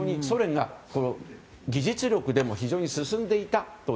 ソ連が技術力でも非常に進んでいた。